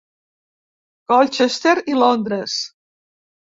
Colchester i Londres.